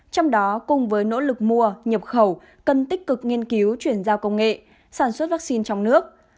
trong đó cùng với nỗ lực mua nhập khẩu cần tích cực nghiên cứu chuyển giao công nghệ sản xuất vaccine trong nước